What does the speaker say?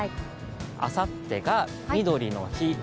あさってがみどりの日。